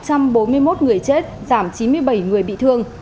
cảnh sát giao thông gửi chết giảm chín mươi bảy người bị thương